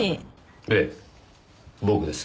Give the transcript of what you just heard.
ええ僕です。